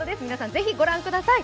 ぜひご覧ください。